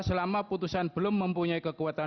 selama putusan belum mempunyai kekuatan